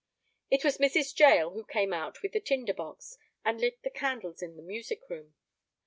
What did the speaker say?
It was Mrs. Jael who came out with a tinder box and lit the candles in the music room.